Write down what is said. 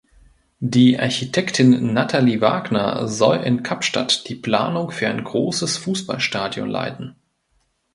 Die Architektin Natalie Wagner soll in Kapstadt die Planung für ein großes Fußballstadion leiten.